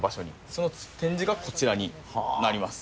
その展示がこちらになります。